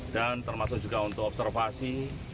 dan termasuk juga untuk observasi